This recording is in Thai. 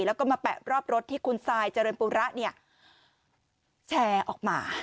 แล้วก็มาแปะรอบรถที่คุณซายเจริญปูระเนี่ยแชร์ออกมา